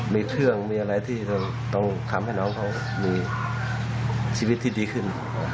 มีเครื่องมีอะไรที่ต้องทำให้น้องเขามีชีวิตที่ดีขึ้น